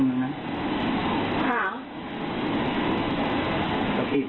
ไม่รู้สิพี่